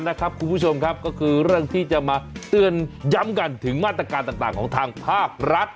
คุณผู้ชมครับก็คือเรื่องที่จะมาเตือนย้ำกันถึงมาตรการต่างของทางภาครัฐ